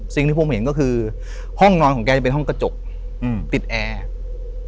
สิ่งที่ผมเห็นก็คือห้องนอนของแกจะเป็นห้องกระจกอืมติดแอร์